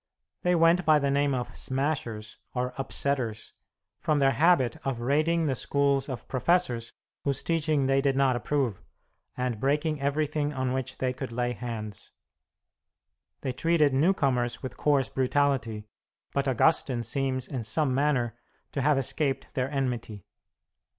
They went by the name of "smashers" or "upsetters," from their habit of raiding the schools of professors whose teaching they did not approve, and breaking everything on which they could lay hands. They treated new comers with coarse brutality, but Augustine seems in some manner to have escaped their enmity.